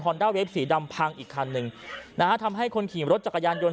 ด้าเวฟสีดำพังอีกคันหนึ่งนะฮะทำให้คนขี่รถจักรยานยนต